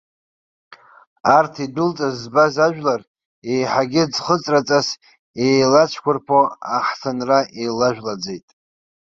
Арҭ идәылҵыз збаз ажәлар, еиҳагьы ӡхыҵраҵас еилацәқәырԥо аҳҭынра илажәлаӡеит.